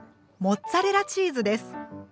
モッツァレラチーズです。